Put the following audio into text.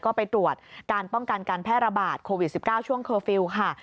ก็ไปตรวจการป้องกันการแพร่ระบาดโควิด๑๙ช่วงเคอร์ฟิลล์ค่ะ